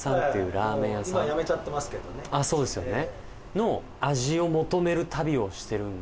あっそうですよね